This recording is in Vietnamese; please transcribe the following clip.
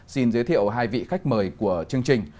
xin giới thiệu hai vị khách mời của chương trình